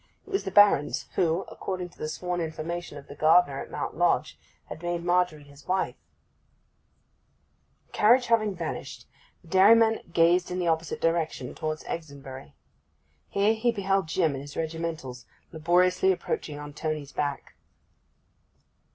It was the Baron's who, according to the sworn information of the gardener at Mount Lodge, had made Margery his wife. The carriage having vanished, the dairyman gazed in the opposite direction, towards Exonbury. Here he beheld Jim in his regimentals, laboriously approaching on Tony's back.